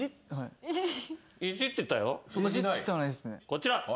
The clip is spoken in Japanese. こちら。